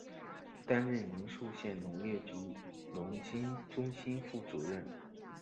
担任临沭县农业局农经中心副主任。